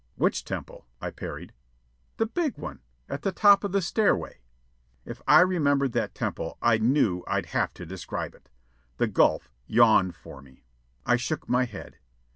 "Which temple?" I parried. "The big one, at the top of the stairway." If I remembered that temple, I knew I'd have to describe it. The gulf yawned for me. I shook my head.